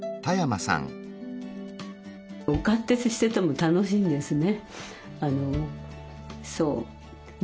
お勝手してても楽しいんですね。